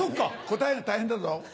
答えるの大変だぞ。